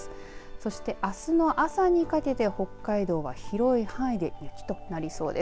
そして、あすの朝にかけて北海道は広い範囲で雪となりそうです。